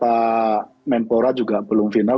tapi kata menpora juga belum final